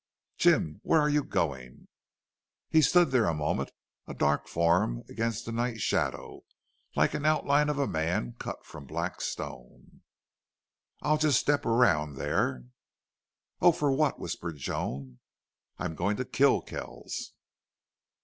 "Jim! Where are you going?" He stood there a moment, a dark form against the night shadow, like an outline of a man cut from black stone. "I'll just step around there." "Oh, what for?" whispered Joan. "I'm going to kill Kells."